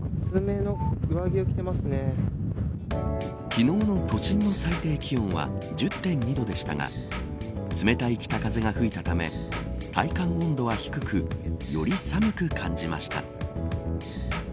昨日の都心の最低気温は１０．２度でしたが冷たい北風が吹いたため体感温度は低くより寒く感じました。